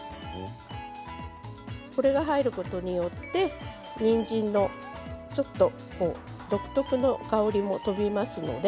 これが入ることによってにんじんのちょっと独特の香りも飛びますので。